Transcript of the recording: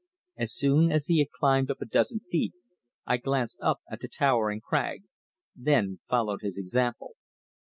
As soon as he had climbed a dozen feet I glanced up at the towering crag, then followed his example.